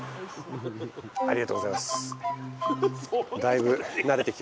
ありがとうございます。